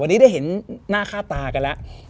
วันนี้ได้เห็นหน้าค่าตากันแล้ว